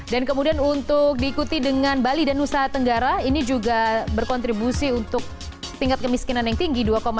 dan kemudian untuk diikuti dengan bali dan nusa tenggara ini juga berkontribusi untuk tingkat kemiskinan yang tinggi